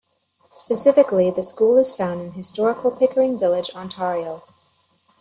Specifically, the school is found in historical Pickering Village, Ontario.